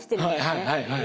はいはいはいはい。